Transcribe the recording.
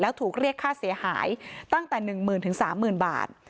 แล้วถูกเรียกค่าเสียหายตั้งแต่๑หมื่นถึง๓หมื่นบาท